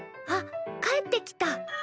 あっ帰ってきた。